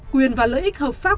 quyền và lợi ích hợp pháp